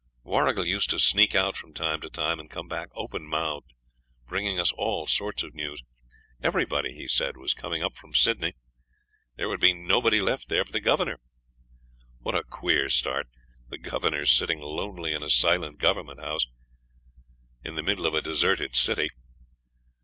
Warrigal used to sneak out from time to time, and come back open mouthed, bringing us all sorts of news. Everybody, he said, was coming up from Sydney. There would be nobody left there but the Governor. What a queer start the Governor sitting lonely in a silent Government House, in the middle of a deserted city!